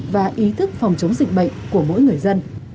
và ý thức phòng chống dịch bệnh của mỗi người dân